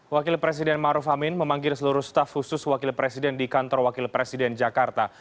wakil presiden maruf amin memanggil seluruh staf khusus wakil presiden di kantor wakil presiden jakarta